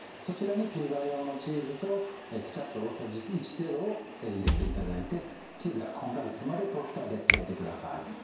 そちらにピザ用のチーズとケチャップ大さじ１程度を入れていただいてチーズがこんがりするまでトースターで焼いてください。